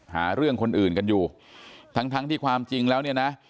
หาเรื่องคนอื่นกันอยู่ทั้งทั้งที่ความจริงแล้วเนี่ยนะ